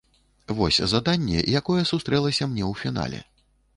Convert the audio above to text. Вось заданне, якое сустрэлася мне ў фінале.